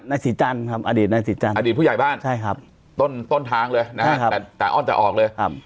นักศิษย์จันทร์ครับอดีตนักศิษย์จันทร์อดีตผู้ใหญ่บ้านใช่ครับต้นต้นทางเลยนะครับแต่แต่อ้อนแต่ออกเลยครับ